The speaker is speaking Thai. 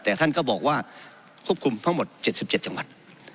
แต่ท่านก็บอกว่าควบคุมทั้งหมด๗๗จังหวัด